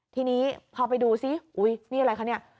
ทีนี้พอไปดูซิอุ๊ยนี่อะไรคะเนี่ย